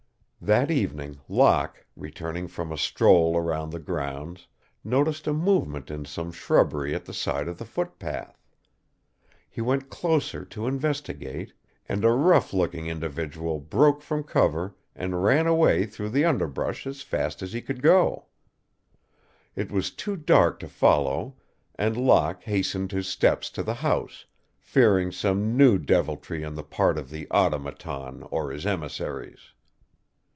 That evening Locke, returning from a stroll around the grounds, noticed a movement in some shrubbery at the side of the foot path. He went closer to investigate, and a rough looking individual broke from cover and ran away through the underbrush as fast as he could go. It was too dark to follow and Locke hastened his steps to the house, fearing some new deviltry on the part of the Automaton or his emissaries.